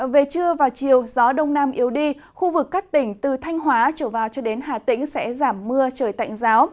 về trưa và chiều gió đông nam yếu đi khu vực các tỉnh từ thanh hóa trở vào cho đến hà tĩnh sẽ giảm mưa trời tạnh giáo